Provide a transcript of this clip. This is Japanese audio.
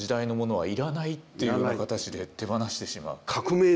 はい。